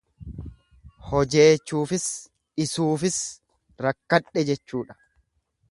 Hojeechuufis dhisuufis rakkadhe jechuudha.